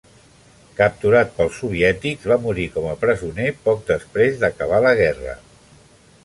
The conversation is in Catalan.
Capturat pels soviètics va morir com a presoner poc després d'acabar la guerra.